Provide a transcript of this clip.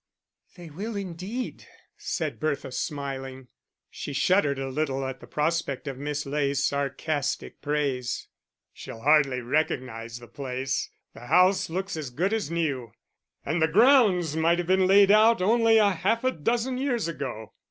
"They will indeed," said Bertha, smiling. She shuddered a little at the prospect of Miss Ley's sarcastic praise. "She'll hardly recognise the place; the house looks as good as new, and the grounds might have been laid out only half a dozen years ago....